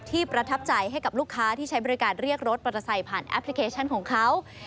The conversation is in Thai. ประทับใจให้กับลูกค้าที่ใช้บริการเรียกรถมอเตอร์ไซค์ผ่านแอปพลิเคชันของเขา